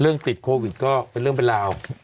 ติดโควิดก็เป็นเรื่องเป็นราว